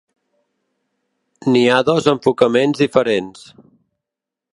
N'hi ha dos enfocaments diferents.